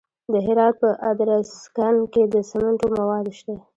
د هرات په ادرسکن کې د سمنټو مواد شته.